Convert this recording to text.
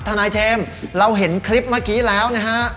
ทนายเจมส์เราเห็นคลิปเมื่อกี้แล้วนะฮะ